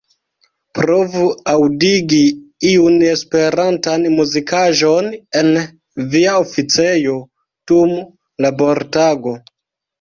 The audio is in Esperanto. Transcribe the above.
Provu aŭdigi iun Esperantan muzikaĵon en via oficejo dum labortago.